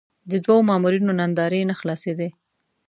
د دوو مامورینو ناندرۍ نه خلاصېدې.